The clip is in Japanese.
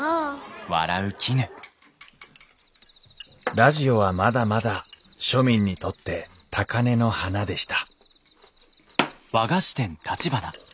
ラジオはまだまだ庶民にとって高根の花でした